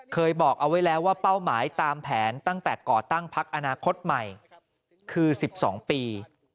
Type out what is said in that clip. เคยบอกเอาไว้แล้วว่าเป้าหมายตามแผนตั้งแต่ก่อตั้งพักอนาคตใหม่คือ๑๒ปี